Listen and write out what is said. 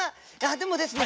でもですね